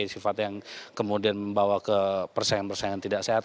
sifat yang kemudian membawa ke persaingan persaingan tidak sehat